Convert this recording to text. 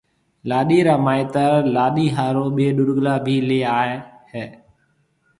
لاڏيِ را مائيتر لاڏيِ هارون ٻي ڏورگلا بي ليَ هيَ۔